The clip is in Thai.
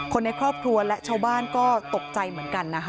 คนในครอบครัวและชาวบ้านก็ตกใจเหมือนกันนะคะ